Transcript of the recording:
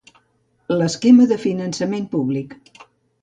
L'esquema de finançament públic.